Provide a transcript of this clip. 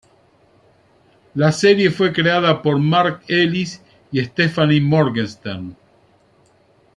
La serie fue creada por Mark Ellis y Stephanie Morgenstern.